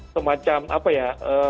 semacam apa ya